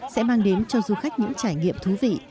sẽ mang đến cho du khách những trải nghiệm thú vị